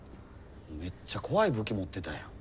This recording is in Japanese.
めっちゃ怖い武器持ってたやん。